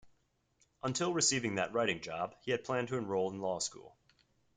Until receiving that writing job, he had planned to enroll in law school.